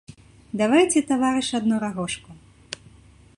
Давайце, таварыш, адну рагожку.